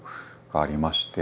がありまして。